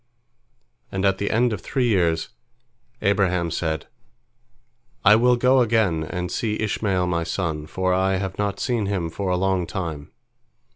And at the end of three years, Abraham said, "I will go again and see Ishmael my son, for I have not seen him for a long time."